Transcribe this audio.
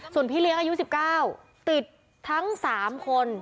ส่วนพี่เลี้ยงอายุ๑๙ติดทั้ง๓คน